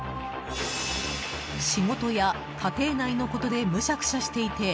仕事や、家庭内のことでむしゃくしゃしていて